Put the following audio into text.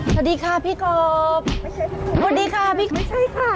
สวัสดีค่ะพี่๘๕๕ไม่ใช่ค่ะ